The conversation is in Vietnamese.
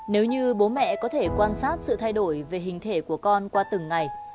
nếu như bố mẹ có thể quan sát sự thay đổi về hình thể của con qua từng ngày